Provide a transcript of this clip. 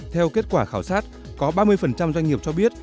theo kết quả khảo sát có ba mươi doanh nghiệp cho biết